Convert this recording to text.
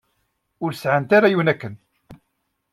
Ur sɛant ara yiwen akken.